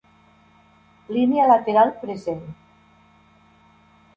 Línia lateral present.